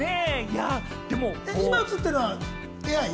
今映ってるのは、ＡＩ？